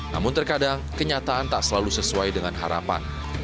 namun terkadang kenyataan tak selalu sesuai dengan harapan